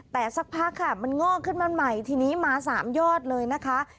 แต่สักพักค่ะมันงอกขึ้นมาใหม่ทีนี้มา๓ยอดเลยนะคะ